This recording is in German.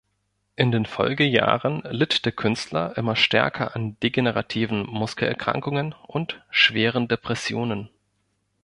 In den Folgejahren litt der Künstler immer stärker an degenerativen Muskelerkrankungen und schweren Depressionen.